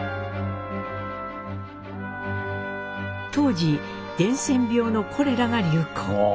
当時伝染病のコレラが流行。